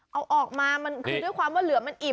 เอาออกมามันคือด้วยความว่าเหลือมันอิ่ม